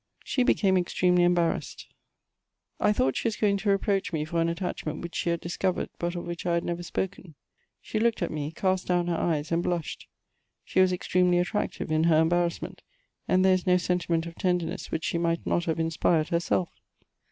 She became ex tremely embarrassed : I thought she was going to reproach me for an attachment which she had discovered, but of which I had never spoken. She looked at me — cast down her eyes — and blushed ; she was extremely attractive in her embarrass ment, and there is no sentiment of tenderness which she might not have inspired herself.